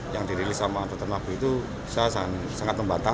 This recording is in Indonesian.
yang dirilis oleh tuan nabi itu saya sangat membantah